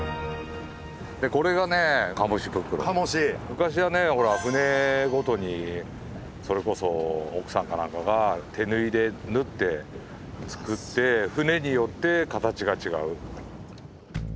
昔はねほら船ごとにそれこそ奥さんかなんかが手縫いで縫って作って船によって形が違う。